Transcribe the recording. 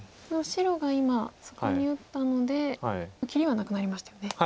白が今そこに打ったので切りはなくなりましたよね。